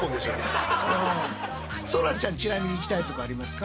そらちゃんちなみに行きたいとこありますか？